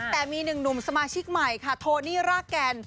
แต่มีหนึ่งหนุ่มสมาชิกใหม่ค่ะโทนี่รากแกน